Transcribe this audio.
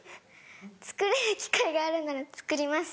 作れる機会があるなら作ります。